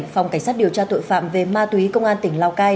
phòng cảnh sát điều tra tội phạm về ma túy công an tỉnh lào cai